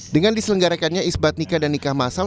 dengan diselenggarakannya isbat nikah dan nikah masal